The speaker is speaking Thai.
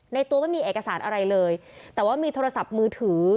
ตัวไม่มีเอกสารอะไรเลยแต่ว่ามีโทรศัพท์มือถือ